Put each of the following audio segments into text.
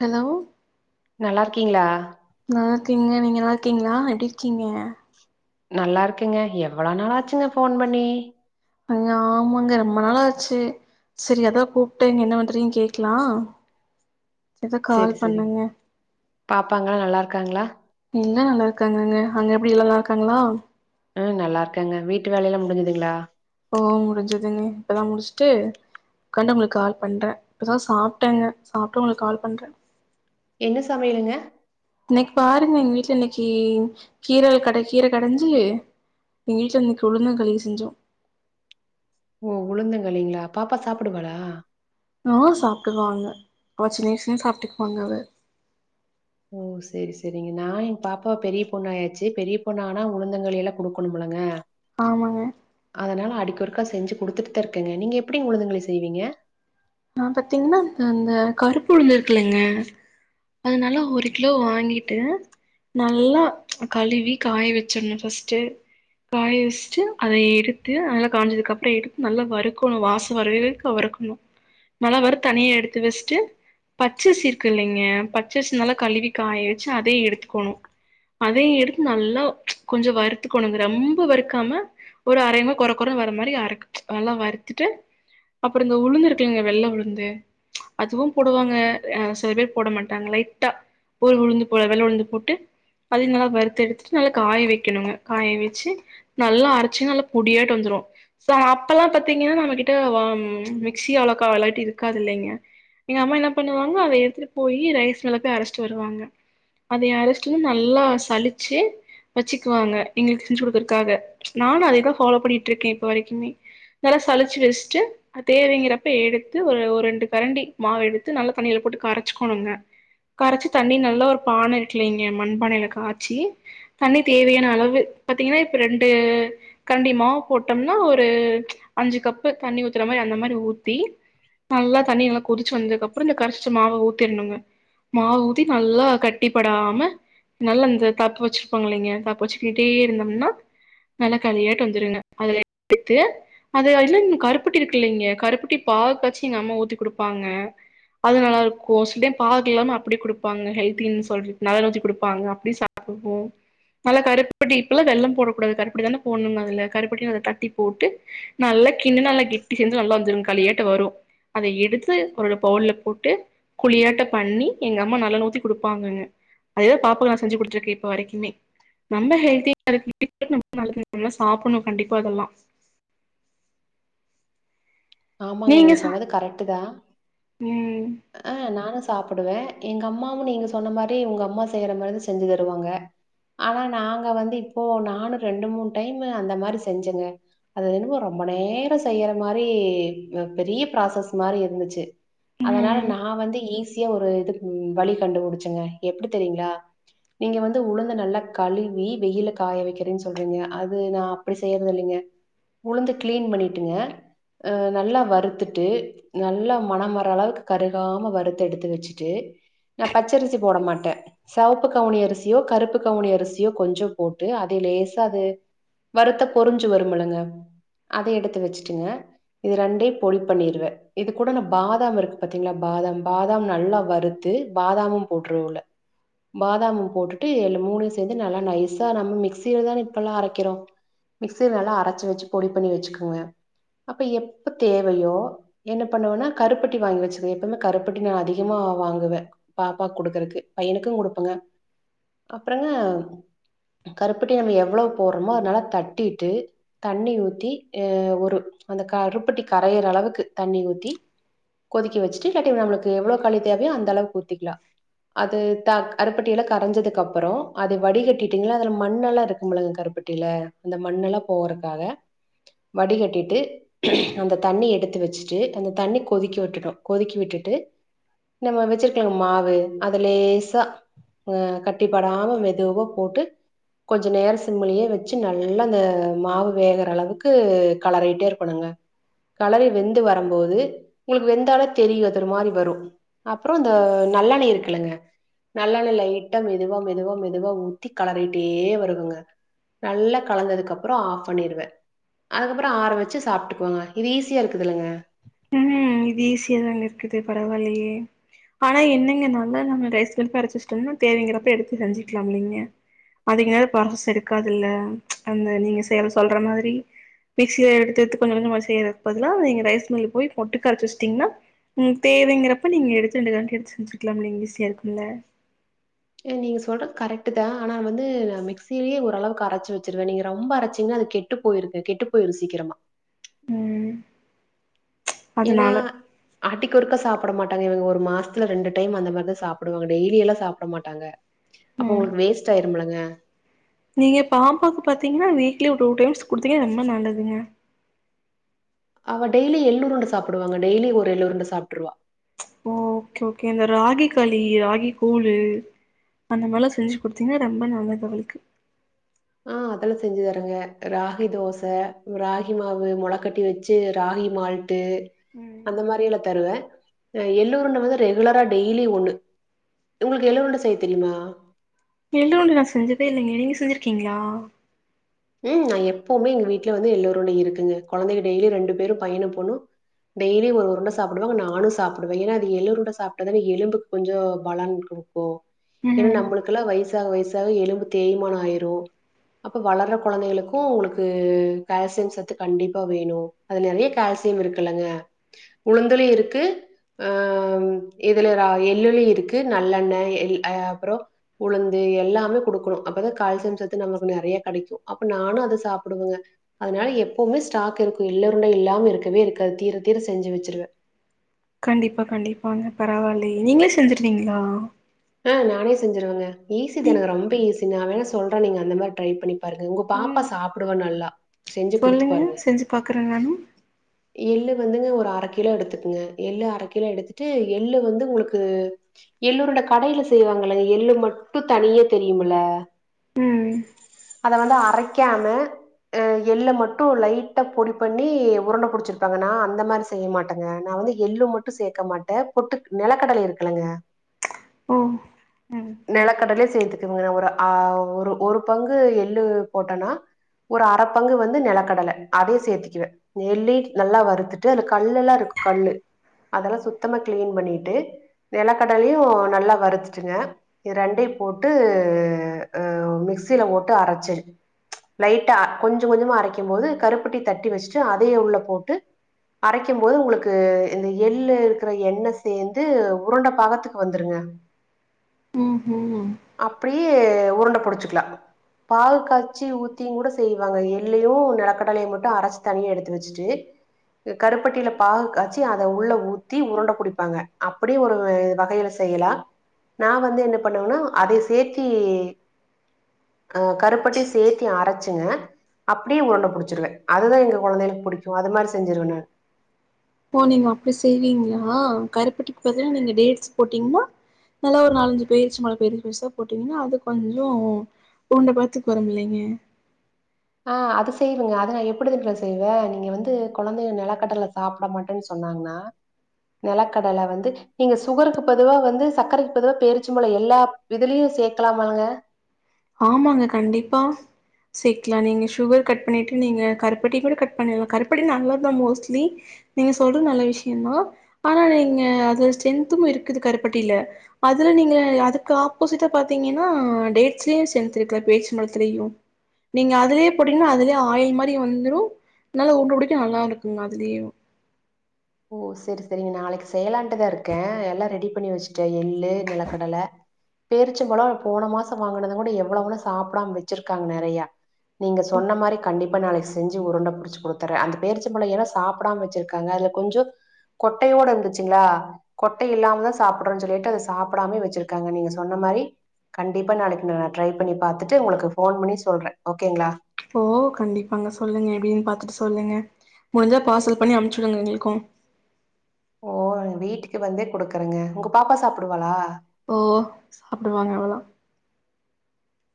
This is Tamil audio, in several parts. ஹலோவ் நல்லா இருக்கீங்களா நல்ல இருக்கீங்க நீங்க நல்லா இருக்கீங்களா எப்டிருக்கீங்க நல்லா இருக்குங்க எவ்வளோ நாளாச்சுங்க போன் பண்ணி அங்க ஆமாங்க ரொம்ப நாளாச்சு செரி அதா கூப்ட்டே இங்க என்ன பண்றீங் கேக்கலா அதா கால் செரி செரி பண்ணங்க பாப்பாங்களா நல்லா இருக்காங்களா இங்க நல்லா இருக்காங்கங்க அங்க எப்டி எல்லா நல்லா இருக்காங்களா ம் நல்லா இருக்காங்க வீட்டு வேலயெல்லா முடிஞ்சுதுங்களா ஓ முடிஞ்சுதுங்க இப்பதா முட்ச்ட்டு உக்காண்டு உங்களுக்கு கால் பண்றே இப்போதா சாப்ட்டேங்க சாப்ட்டு உங்களுக்கு கால் பண்றே என்ன சமையலுங்க இன்னைக்கி பாருங்க எங்க வீட்ல இன்னைக்கி கீரல் கட கீர கடைஞ்சு எங்க வீட்டுல இன்னக்கி உழுந்தங்களி செஞ்சொ ஓ உளுந்தங்களிங்களா பாப்பா சாப்புடுவாளா நா சாப்பிட்டுக்குவாங்க அவ சின்னவயஷ்லயு சாப்ட்டுக்குவாங்க அத ஓ செரி செரிங்க நா எங் பாப்பா பெரிய பொண்ணு ஆயாச்சு பெரிய பொண்ணா ஆனா உளுந்தங்களி எல்லா கொடுக்கணுமலங்க ஆமாங்க அதனால அடிக்கொறுக்கா செஞ்சு கொடுத்துட்டு தா இருக்கேங்க நீங்க எப்டிங் உழுந்தங்களி செய்வீங்க நா பாத்தீங்ன்னா இந்த கருப்புழுந்து இருக்குலங்க அத நல்லா ஒரு கிலோ வாங்கிட்டு நல்லா கழுவி காய வெச்சர்ணு ஃபஸ்ட்டு காய வெஸ்ட்டு அத எடுத்து அதல்ல காஞ்சதுக்கு அப்புறோ எடுத்து நல்லா வறுக்கணு வாச வரவே வேக்கு வறுக்கணு நல்லா வறுத்த தனியா எடுத்து வெஸ்ட்டு பச்சர்சி இருக்கு இல்லைங்க பச்சரிசி நல்வா கழுவி காய வெச்சு அதயு எடுத்துக்கணு அதையு எடுத்து நல்லா கொஞ்சோ வறுத்துக்கணுங் ரொம்ப வறுக்காம ஒரு அரையங்க கொற கொறன் வர மாரி அர நல்லா வறுத்துட்டு அப்புறோ இந்த உளுந்து இரு க்குங்க வெள்ள உளுந்து அதுவு போடுவாங்க அ சில பேர் போட மாட்டாங்க லைட்டா போல் உளுந்து போல வெள்ள உளுந்து போட்டு அதயு நல்லா வறுத்தெடுத்துட்டு நல்லா காய வெக்கணுங்க காய வெச்சு நல்லா அரச்சு நல்லா பொடியாட்டு வந்துரு ச அப்பல்லா பாத்தீங்கன்னா நம்ம கிட்ட வ ம் மி க்ஸி அவ்ளக்கா எல்லாட்டியு இருக்காதில்லைங்க எங்க அம்மா என்ன பண்ணுவாங்கோ அத எடுத்துட்டு போயி ரைஸ் மில்லத்தா அரஷ்ட்டு வருவாங்க அதை அரஷ்டும் நல்லா சளிச்சு வெச்சுக்குவாங்க எங்களுக்கு செஞ்சு குடுக்குறக்காக நானு அதேதா ஃபாலோ பண்ணிட்டுருக்க இப்போ வரைக்குமே நல்லா சளிச்சு வெஷ்ட்டு அத் தேவைங் கப்ப எடுத்து ஒரு ஒரு ரெண்டு கரண்டி மாவு எடுத்து நல்லா தண்ணியில போட்டு கரைச்சுக்கணுங்க கரச்சு தண்ணி நல்லா ஒரு பான இருக்குலைங்க மண்பானையில காச்சி தண்ணி தேவையான அளவு பாத்தீங்கன்னா இப்ப ரெண்டு கண்டி மாவு போட்டோம்னா ஒரு அஞ்சு கப்பு தண்ணி ஊத்துற மாரி அந்த மாரி ஊ த்தி நல்லா தண்ணி எல்லா கொதிச்சு வந்ததுக்கப்புறோ இந்த கரச்ச மாவ ஊத்திண்ணுங்க மாவு ஊத்தி நல்லா கட்டிப்படாம நல்லா இந்த தப்ப வச்சிருப்பாங்கில்லைங்க தப் வெச்சுக்கிட்டே இருந்தோம்னா நல்லா களியாட்டு வந்துருங்க அதுல எடுத்து அது இல்லங் கருப்பட்டி இருக்குல்லைங்க கருப்ப ட்டி பாவ்காச்சி எங்க அம்மா ஊத்தி குடுப்பாங்க அது நல்லாருக்கு சில் டைம் பாகில்லாம அப்படியே குடுப்பாங்க ஹெல்தின் சொல்லிட் நல்லெண்ணெ ஊத்தி குடுப்பாங்க அப்டி சா ப்புட்வோ நல்லா கருப்பட்டி இப்பெல்லா வெள்ளம் போடக்கூடாது கருப்பட்டி தான போட்ணுங்க அதுல கருப்பட்டின் அத தட்டி போட்டு நல்லா கிண்ணுணா நல்லா கெட்டி சேந்து நல்லா வந்துருங் களியாட்ட வரு அத எடுத்து ஒரு பவுல்ல போட்டு குழியாட்ட பண்ணி எங்கம்மா நல்லெண்ணெ ஊத்தி குடுப்பாங்கங்க அதேதா பாப்பாக்கு நா செஞ்சு குடுத்துட்ருக்கே இப்ப வரைக்குமே நம்ம ஹெல்தியா இரு [inaudible] நல்லா சாப்புண்ணு கண்டிப்பா அதல்லா ஆமாங்க நீங்க சொன்னது கரெக்டுதா ம் ஆ நானு சாப்பிடுவே எங்க அம்மாவு நீங்க சொன்ன மாரி உங்க அம்மா செய்யற மாரிதா செஞ்சு தருவாங்க ஆனா நாங்க வந்து இப்போ நானு ரெண்டு மூண் டைம் அந்த மாரி செஞ்சங்க அது என்னமோ ரொம்ப நேரோ செய்யற மாரி அ பெரிய ப்ராசஸ் மாரி இருந்துச்சு அதனால ம் நா வந்து ஈஸியா ஒரு இது ம் வழி கண்டுபிடிச்சுங்க எப்படி தெரியுங்ளா நீங்க வந்து உளுந்த நல்லா கழுவி வெயில்ல காய வெக்கறீன் சொல்றீங்க அது நா அப்படி செய்யறதில்லிங்க உளுந்து க்ளீன் பண்ணிட்டுங்க அ நல்லா வறுத்துட்டு நல்லா மனம் வர அளவுக்கு கருகாம வறுத்தெடுத்து வெச்சுட்டு நா பச்சரிசி போட மாட்டே சவப்பு கவுனி அரிசியு கருப்பு கவுனி அரிசியு கொஞ்சோ போட்டு அதே லேசா அது வறுத்தா பொரிஞ்சு வருமில்லங்க அத எடுத்து வெச்சுட்டுங்க இது ரெண்டயு பொடி பண்ணிருவே இது கூட ந பாதாம் இருக்கு பாத்தீங்ளா பாதாம் பாதாம் நல்லா வறுத்து பாதாமு போட்டுருவ உள்ள பாதாம் போட்டுட்டு இல்ல மூணையு சேத்து நல்லா நைஸா நம்ம மிக்சியிலதானே இப்பெல்லா அரைக்கிறோ மிக்சில நல்லா அரச்சு வச்சு பொடி பண்ணி வச்சுக்கோங்க அப்ப எப்ப தேவையோ என்ன பண்ணுவேனா கருப்பட்டி வாங்கி வச்சுக்குவு எப்பவுமே கருப்பட்டி நா அதிகமா வாங்குவே பாப்பா குடுக்குறக்கு பையனுக்கு குடுப்பங்க அப்றங்க கருப்பட்டி நம்ம எவ்ளோ போட்றோமோ அத நல்லா தட்டிட்டு தண்ணி ஊத்தி அ ஒரு அந்த க கருப்பட்டி கரையிற அளவுக்கு தண்ணி ஊத்தி கொதிக்க வச்சுட்டு கட்டி நம்ளுக்கு எவ்ளோ களி தேவையோ அந்த அளவுக்கு ஊத்திக்லா அது த கருப்பட்டிய எல்லா கரைஞ்சதுக்கு அப்றோ அது வடிகட்டிட்டீங்ளா அதுல மண்ணெல்லா இருக்கு கருப்பட்டி ல அந்த மண்ணெல்லா போறக்காக வடிகட்டிட்டு அந்த தண்ணி எடுத்து வச்சுட்டு அந்த தண்ணி கொதிக்க விட்டுனு கொதிக்க விட்டுட்டு நம்ம வச்சிருக்கல மாவு அது லேசா அகட்டிப்படாம மெதுவா போட்டு கொஞ்சோ நேரோ சிம்லியே வச்சு நல்லா அந்த மாவு வேகுற அளவுக்கு கலரிட்டே இருக்கணுங்க கலறி வெந்து வரும்போது உங்களுக்கு வெந்தால தெரியு ஒரே மாதிரி வரு அப்றோ இந்த நல்லெண்ணெய் இருக்குள்ளங்க நல்லஎண்ணெய் லைட்டா மெதுவா மெதுவா மெதுவா ஊத்தி கலறிட்டுட்டே வருகுங்க நல்லா கலந்ததுக்கு அப்றோ ஆஃப் பண்ணிடுவே அதுக்கப்றோ ஆற வச்சு சாப்ட்டு கோங்க இது ஈஸியாக இருக்குதுல்லங்க ம் இது ஈஸியாகதாங்க இருக்குது பரவால்லியே ஆனா என்னங்கனால நம்ம ரைஸ் கப்பு அரைவச்ட்டோனா தேவைங்கிறப்ப எடுத்து செஞ்சுக்கலாம் இல்லிங்க அதிக நாளு பளசு எடுக்காதுல்ல அந்த நீங்க செயல சொல்ற மாதிரி மிக்சிய எடுத்து எடுத்து கொஞ்ச கொஞ்ச செய்யறதுக்கு பதில்லா நீங்க ரைஸ் மில்க்கு பொய்ட்டு ஒட்டுக்கா அரச்சு வச்சுட்டிங்கன்னா ம் தேவைங்கிறப்ப நீங்க எடுத்து ரெண்டு கரண்டி எடுத்து செஞ்சுர்க்லாம்லா நீங்க ஈஸியா இருக்குல்ல நீங்க சொல்றது கரெக்டதா ஆனா வந்து மிக்சியிலே ஓரளவுக்கு அரச்சு வச்சுருவே நீங்த ரொம்ப அரச்சிங்கன்னா அது கெட்று கெட்டு பொயிருது சீக்ரமா ம் ஏனா அதனால ஆட்டிக்கொருக்கா சாப்ட இவுங்க ஒரு மாசத்துல ரெண்டு டைம் அந்த மாரிதா சாப்டுவாங்க டெய்லியெல்லா சாப்ட மாட்டாங்க அப்ப ம் உங்ளுக்கு வேஸ்ட் ஆயிரும் இல்லங்க நீங்க பாப்பாக்கு பாத்திங்ன்னா வீக்லி ஒரு டூ டைம்ஸ் குடுத்தீங்கனா ரொம்ப நல்லதுங்க அவ டெய்லி எள்ளு உருண்ட சாப்டுவாங்க டெய்லி ஒரு எள்ளு உருண்ட சாப்ட்ருவா ஓகே ஓகே இந்த ராகி களி ராகி கூளு அந்த மாரில்லா செஞ்சு குடுத்தீங்கான ரொம்ப நல்லது அவளுக்கு அ அதெல்லா செஞ்சு தரங்க ராகி தோச ராகி மாவு மொளக்கட்டி வச்சு ராகி மால் ட்ரு ம் அந்த மாரில்லா தருவே எள்ளு உருண்ட வந்து ரெகுலரா டெய்லி ஒண்ணு ஒங்ளுக்கு எள்ளு உருண்ட செய்ய தெரியுமா எள்ளு உருண்ட நா செஞ்சதே இல்லங்க நீங்க செஞ்சிருக்கீங்ளா ம் நா எப்பவுமே எங்க வீட்ல வந்து எள்ளு உருண்ட இருக்குங்க கொழந்தைங்க டெய்லி ரெண்டு பேரு பையனு பொண்ணு டெய்லி ஒரு உருண்ட சாப்டுவே நானு சாப்டுவே ஏன அது எள்ளு உருண்ட சாப்ட்டதானே எலும்பு கொஞ்சோ பலன் கொடுக்கு ஏன்னா ம் நம்மளுக்கெல்லா வயசாக வயசாக எலும்பு தேய்மானோ ஆயிரு அப்ப வளர்ர கொழந்தைகளுக்கு உங்ளுக்கு கால்சியம் சத்து கண்டிப்பா வேணு அதுல நெறைய கால்சியம் இருக்குல்லங்க உளுந்துலியு இருக்கு அ இதுல ரா எள்ளுலி இருக்கு நல்லெண்ணெ எள்ளு அப்றோ உளுந்து எல்லாமே குடுக்குணு அப்போதா கால்சியம் சத்து நமக்குக்கு நறைய கெடைக்கு அப்ப நானு அத சாப்பிடுவங்க அதுனால எப்பவுமே ஸ்டாக் இருக்கூ எள்ளருண்ட இல்லாம இருக்கவே இருக்காது தீர தீர செஞ்சு வெச்சுருவ கண்டிப்பா கண்டிப்பாங்க பரவால்லியே நீங்களே செஞ்சிருவீங்ளா அ நானே செஞ்சிருவங்க ஈசி தான நீங் ரொம்ப ஈஸி நா வேண சொல்ற நீங்க அந்த மார் ட்ரை பண்ணிப் பாருங்க உங்க பாப்பா ம் சாப்பிடுவா நல்லா செஞ்சு குடுத்து சொல்லுங்க பாருங்க. செஞ்சு பாக்குற நானூ எள்ளு வந்துங்க ஒரு அர கிலோ எடுத்துக்குங்க எள்ளு அரகிலோ எடுத்துட்டு எள்ளு வந்து உங்ளுக்கு எள்ளுஉருண்ட கடைல செய்வாங்கள எள்ளு மட்டு தனிய தெரியுமுல்ல ம் அத வந்து அரைக்காம அ எள்ள மட்டு லைட்டா பொடி பண்ணி உருண்ட புடிச்சுருப்பாங்கா நா அந்த மாரி செய்ய மாட்டங்க நா வந்து எள்ளு மட்டு சேக்கமாட்டே பொட்டுக் நெலக்கடலை இருக்குள்ளங்க ஓ ம் நெலக்கடலையு சேத்துக்குவங்க ஒரு அ ஒரு ஒரு பங்கு எள்ளு போட்டன்னா ஒரு அறப்பங்கு வந்து நெலக்கடல அதே சேத்திக்குவே எள்ளீட் நல்லா வறுத்துட்டு அது கல்லெல்லா இருக் கல்லு அதலா சுத்தமா க்கிளீன் பண்ணிட்டு நெலக்கடலியு நல்லா வறுத்துட்டுங்க இரெண்டியு போட்டு அ மிக்சில ஒட்ட அரச்சு லைட்டா கொஞ்சொ கொஞ்சொமா அரைக்கும்போது கருப்பட்டி தட்டி வெச்சுட்டு அதயே உள்ளபோட்டு அரைக்கும்போது உங்ளுக்கு இந்த எள்ளு இருக்குற எண்ண சேந்து உருண்ட பாகத்துக் வந்துருங்க ஓஹோ அப்புடி உருண்டபுடிச்சுக்லா பாகு காச்சி ஊத்தியுங்கூட செய்வாங்க எல்லையு நெலக்கடலையு மட்டு அரைச்சு தனியஎடுத்து வச்ட்டு கருப்பட்டில பாகு காச்சி அத உள்ள ஊத்தி உருண்டபுடிப்பாங்க அப்புடி ஒரு வகைல செய்யலா நா வந்து என்ன பண்ணுவன்னா அதை சேத்தி அ கருப்பட்டி சேத்தி அரைச்சுங்க அப்டி உருண்ட புடிச்சிருவ அதுத எங்க கொழந்தைளுக்கு புடிக்கு அது மார் செஞ்சிருவ நா ஓ நீங்க அப்டி செய்வீங்ளா கருப்பட்டிக் பதில் நீங்க டேட்ஸ் போட்டிங்னா நல்லா ஒரு நாலஞ்சு பேரிச்சம்பழ பெரு பெருசா போட்டீங்ன்னா அது கொஞ்சொ ஊண்ட பதத்துக் வருமில்லைங்க அ அதுசெய்வங்க அத நா எப்டுதுன்ர செய்வ நீங்க வந்து கொழந்தைக நெலக்கடல சாப்டமாட் டன் சொன்னாங்னா நெலக்கடல வந்து நீங்க சுகருக்கு பதுவா வந்து சக்கரைக் பதுவா பேரிச்சம்பழொ எல்லாப் இதுலியு சேக்கலாமாங்க ஆம்மாங்க கண்டிப்பா சேக்கலா நீங்க சுகர் கட் பண்ணிட்டு நீங்க கருப்பட்டி கூட கட் பண்ணில்லா கருப்பட்டி நல்லாத்தா மோஸ்ட்லி நீங்க சொல்றது நல்ல விஷ்யமா ஆனா நீங்க அது ஸ்ட்ரென்த்தும் இருக்குது கருப்பட்டில அதுல நீங்க அதுக்கு ஆப்போசிட்டா பாத்தீங்கன்னா டே ட்ஸ்லியு ஸ்ட்ரெந்த் இருக்குல பேர்ச்சம் பழத்திலியு நீங்க அதுலே போட்டீங்ன்னா அதுலேயே ஆயில் மாரி வந்துரு நல்ல உருண்ட புடிக்க நல்லா இருக்குங்க அதுலியு ஓ செர் செரிங்க நாளைக் செய்யலாண்டுதா இருக்கே எல்லா ரெடி பண்ணி வச்சுட்டே எள் ளு நிலக்கடல பேரிச்சம்பழொ நா போன மாசோ வாங்கனதுந்கொட எவ்வளவ்ளோ சாப்டாம் வச்சுர்க்காங் நெறைய நீங்க சொன்ன மாரி கண்டிப்பா நாளைக் செஞ்சு உருண்ட புடிச் குடுத்துறே அந்த பேரிச்சம்பழொ ஏனோ சாப்டாம வச்சிருக்காங்க அல கொஞ்சொ கொட்டையோட இருந்துச்சுங்ளா கொட்ட இல்லாமதா சாப்டனு சொல்லிட்டு அத சாப்டாம வச்சிருக்காங்க நீங்க சொன்ன மாரி கண்டிப்பா நாளைக்கு நா ட்ரை பண்ணி பாத்துட்டு உங்களுக்கு ஃபோன் பண்ணி சொல்றே ஓகேங்ளா ஓ கண்டிப்பாங்க சொல்லுங்க எப்டின் பாத்துட்டு சொல்லுங்க முடிஞ்சா பார்சல் பண்ணி அம்ச்சுடுங்க எங்ளுக்கு ஓ வீட்டுக்கு வந்தே குடுக்குறங்க ஒங்க பாப்பா சாப்டுவாளா ஓ சாப்டுவாங்க அதலா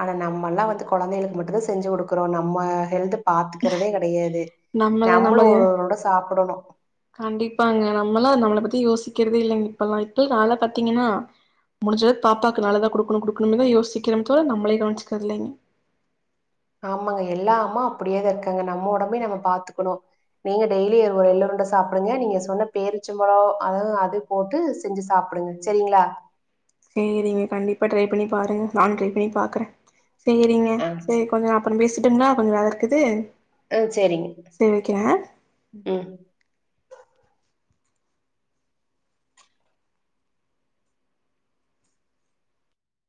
ஆனா நம்மள்லா வந்து கொழந்தைகளுக்கு மட்டுதா செஞ்சு குடுக்குறோ நம்ம ஹெல்த பாத்துக்கறதே கெடயாது நம்மளே நம்மளு நம்ம ஒரொரு உருண்ட சாப்புடனு கண்டிப்பாங்க நம்மளா நம்மள பத்தி யோசிக்கிறதே இல்லங்க இப்பல்லா இப்பே கால்ல பாத்தீங்கன்னா முடிஞ்சளவு பாப்பாக்கு நல்லதா குடுக்னு குடுக்னுமேதா யோசிக்கிறோமே தவர நம்மளே கவனிச்சிக்கறதில்லைங்க ஆமாங்க எல்லா அம்மா அப்டியேதாருக்காங்க நம்ம ஒடம்பயு நம்ம பாத்துக்கனு நீங்க டெய்லி ஒரு எள் உருண்ட சாப்டுங்க நீங்க சொன்ன பேரிச்சம்பழோ ஆ அது போட்டு செஞ்சு சாப்டுங்க செரிங்ளா சேரிங்க கண்டிப்பா ட்ரை பண்ணி பாருங்க நானு ட்ரை பண்ணி பாக்குறே சேரிங்க ஆ, சே ச- கொஞ் நா அப்றோ பேசட்டுங்ளா கொஞ்சோ வேலருக்குது ஓ சேரிங்க ம்